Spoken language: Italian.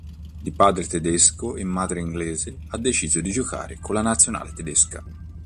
Di padre tedesco e madre inglese, ha deciso di giocare con la Nazionale tedesca.